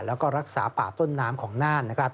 แล้วก็รักษาป่าต้นน้ำของน่าน